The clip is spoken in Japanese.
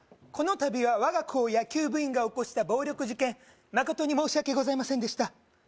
このたびは我が校野球部員が起こした暴力事件まことに申し訳ございませんでした